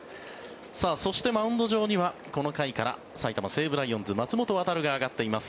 そしてマウンド上にはこの回から埼玉西武ライオンズ松本航が上がっています。